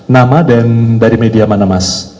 nama dan dari media mana mas